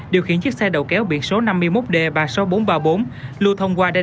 điều khiển chiếc xe đầu kéo biển số năm mươi một d ba mươi sáu nghìn bốn trăm ba mươi bốn lưu thông qua đê